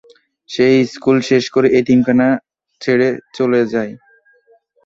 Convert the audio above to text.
সে school শেষ করে এতিমখানা ছেড়ে চলে যায়।